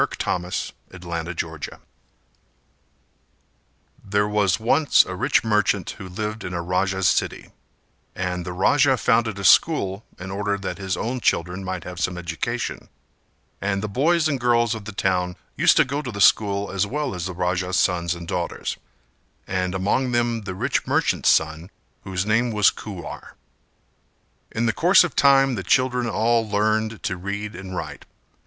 Kuwar and the Raja's Daughter. There was once a rich merchant who lived in a Raja's city; and the Raja founded a school in order that his own children might have some education, and the boys and the girls of the town used to go to the school as well as the Raja's sons and daughters and among them the rich merchant's son, whose name Was Kuwar. In the course of time the children all learned to read and write.